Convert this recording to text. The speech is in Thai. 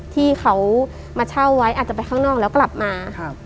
ที่เขามาเช่าไว้อาจจะไปข้างนอกแล้วกลับมาครับ